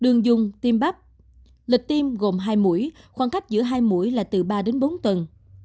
lương dung tiêm bắp lịch tiêm gồm hai mũi khoảng cách giữa hai mũi là từ ba đến bốn tuần